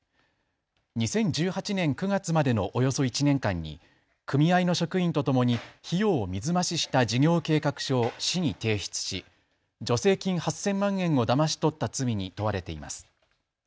２０１８年９月までのおよそ１年間に組合の職員とともに費用を水増しした事業計画書を市に提出し助成金８０００万円をだまし取った罪に問われています。